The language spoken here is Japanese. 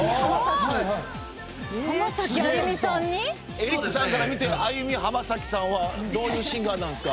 エリックさんから見てアユミ・ハマサキさんはどういうシンガーなんですか？